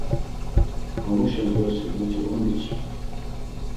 Hamuşen vrosi muti oni çi?